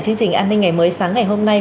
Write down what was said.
chương trình an ninh ngày mới sáng ngày hôm nay